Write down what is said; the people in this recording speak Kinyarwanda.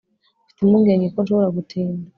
mfite impungenge ko nshobora gutinda